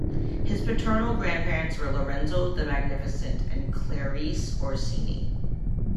His paternal grandparents were Lorenzo the Magnificent and Clarice Orsini.